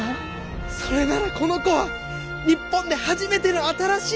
それならこの子は日本で初めての新しい科！